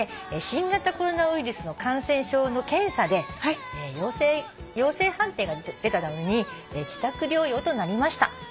新型コロナウイルスの感染症の検査で陽性判定が出たために自宅療養となりました。